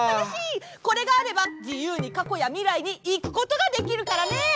これがあればじゆうにかこやみらいにいくことができるからね！